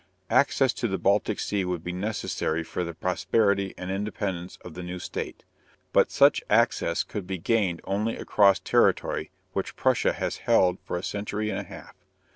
Access to the Baltic Sea would be necessary for the prosperity and independence of the new state. But such access could be gained only across territory which Prussia has held for a century and a half.